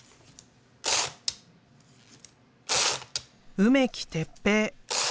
梅木鉄平。